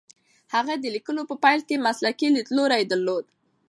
هغې د لیکلو په پیل کې مسلکي لیدلوری درلود.